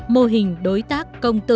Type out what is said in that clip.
mô hình đối tác công trình